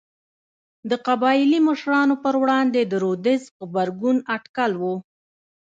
د قبایلي مشرانو پر وړاندې د رودز غبرګون اټکل و.